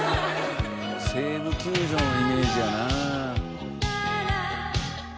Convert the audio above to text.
西武球場のイメージやな。